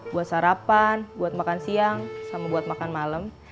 buat sarapan buat makan siang sama buat makan malam